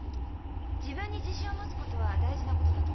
自分に自信を持つことは大事なことだと思うけど？